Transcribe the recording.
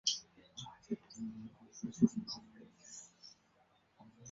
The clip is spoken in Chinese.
石蛾幼虫在淡水栖息地的所有饲养行会都可以被找到。